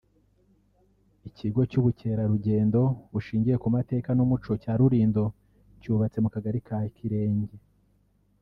Ikigo cy’Ubukerarugendo bushingiye ku mateka n’umuco cya Rulindo cyubatse mu kagari ka Kirenge